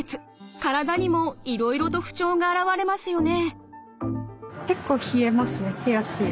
体にもいろいろと不調が現れますよね。